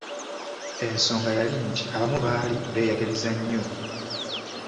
Ensonga yali nti abamu baali beeyagaliza nnyo.